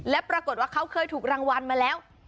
และปรากฏว่าเขาเคยถูกรางวัลมาแล้ว